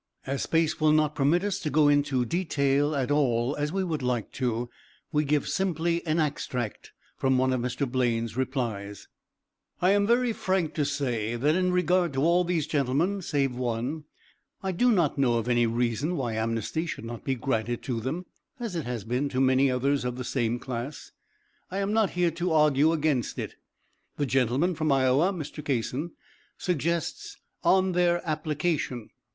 As space will not permit us to go into detail at all as we would like to, we give simply an extract from one of Mr. Blaine's replies: "I am very frank to say that in regard to all these gentlemen, save one, I do not know of any reason why amnesty should not be granted to them as it has been to many others of the same class. I am not here to argue against it. The gentleman from Iowa (Mr. Kasson) suggests 'on their application.'